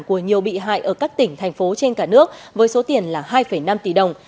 của nhiều bị hại ở các tỉnh thành phố trên cả nước với số tiền là hai năm tỷ đồng